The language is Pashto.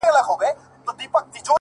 • څومره چي يې مينه كړه ـ